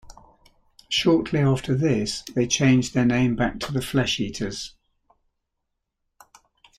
Shortly after this they changed their name back to The Flesh Eaters.